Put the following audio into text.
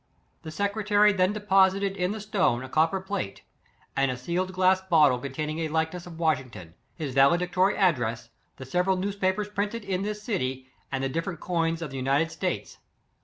The secretary then deposited in the stone a copper plate,* and a sealed glass bottle, containing a likeness of Washing ton, his valedictory address, the several neviTspapers printed in this city, and the different coins of the United States.